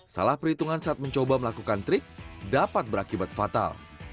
salah perhitungan saat mencoba melakukan trik dapat berakibat fatal